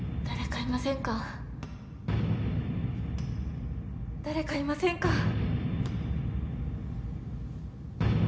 誰かいませんか？